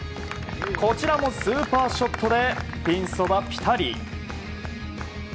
こちらもスーパーショットでピンそばピタリ。